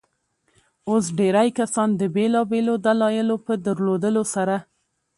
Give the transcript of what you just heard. اوس ډېرى کسان د بېلابيلو دلايلو په درلودلو سره.